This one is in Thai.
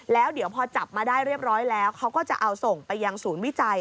แล้วเดี๋ยวพอจับมาได้เรียบร้อยแล้วเขาก็จะเอาส่งไปยังศูนย์วิจัย